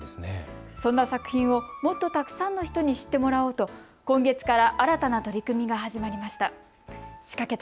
そんな作品を、もっとたくさんの人に知ってもらおうと今月から新たな取り組みが始まりました。